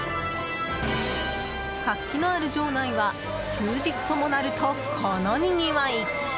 活気のある場内は休日ともなると、このにぎわい。